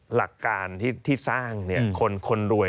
หลักการที่สร้างคนรวย